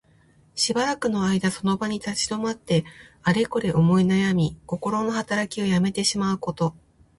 しばらくの間その場に立ち止まって、あれこれ思いなやみ、こころのはたらきをやめてしまうこと。